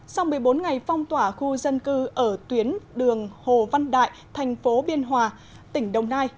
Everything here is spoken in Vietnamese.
sau một mươi bốn ngày phong tỏa khu dân cư ở tuyến đường hồ văn đại thành phố biên hòa tỉnh đồng nai